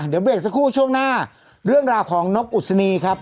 เดี๋ยวเบรกสักครู่ช่วงหน้าเรื่องราวของนกอุศนีครับ